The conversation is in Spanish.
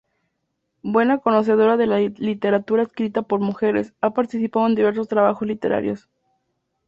Buena conocedora de la literatura escrita por mujeres, ha participado en diversos trabajos literarios.